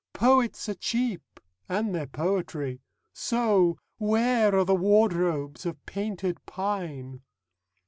Poets are cheap. And their poetry. So _Where are the wardrobes of Painted Pine?